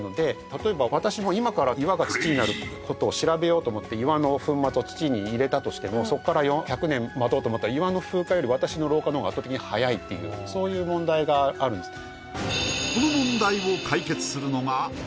例えば私も今から岩が土になることを調べようと思って岩の粉末を土に入れたとしてもそこから１００年待とうと思ったら岩の風化より私の老化の方が圧倒的に早いっていうそういう問題があるんです